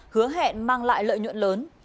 hứa hẹn mang lại lợi nhuận lớn